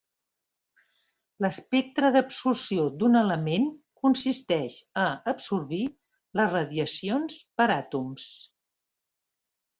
L'espectre d'absorció d'un element consisteix a absorbir les radiacions per àtoms.